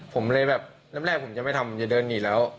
ผมเลยแบบเริ่มแรกผมจะไม่ทำจะเดินหนีแล้ว